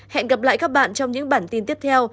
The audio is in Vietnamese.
hẹn gặp lại các bạn trong những bản tin tiếp theo